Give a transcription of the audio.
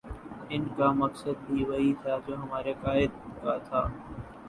ان کا مقصد بھی وہی تھا جو ہمارے قاہد کا تھا